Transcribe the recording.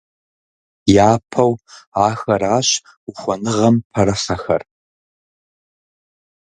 Япэу ахэращ ухуэныгъэм пэрыхьэхэр.